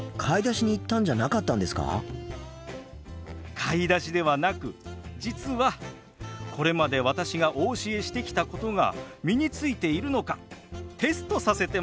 買い出しではなく実はこれまで私がお教えしてきたことが身についているのかテストさせてもらったんです。